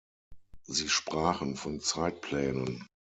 Sie sprachen von Zeitplänen.